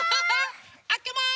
あけます！